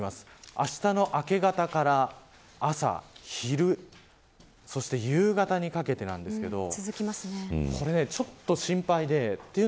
あしたの明け方から朝、昼そして夕方にかけてなんですけどちょっと心配で。